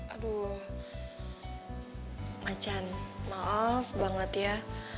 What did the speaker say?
aduh macan maaf banget ya